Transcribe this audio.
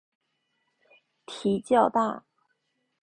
蹄较大。